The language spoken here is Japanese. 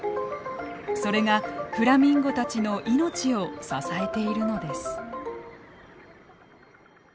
それがフラミンゴたちの命を支えているのです。